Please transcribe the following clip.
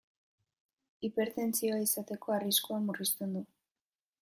Hipertentsioa izateko arriskua murrizten du.